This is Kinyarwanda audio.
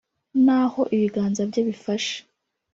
n’ aho ibiganza bye bifashe